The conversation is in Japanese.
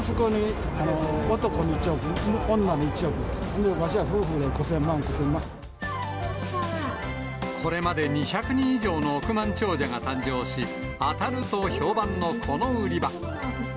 男に１億、女に１億、わしら、これまで２００人以上の億万長者が誕生し、当たると評判のこの売り場。